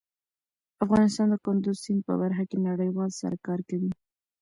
افغانستان د کندز سیند په برخه کې نړیوالو سره کار کوي.